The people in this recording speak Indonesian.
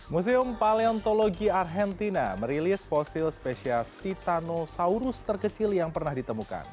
museum paleontologi arhentina merilis fosil spesies titanosaurus terkecil yang pernah ditemukan